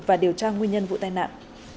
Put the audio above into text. và điều tra nguyên nhân vụ tai nạn